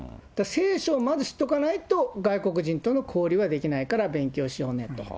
聖書をまず知っとかないと外国人との交流はできないから、勉強しようねと。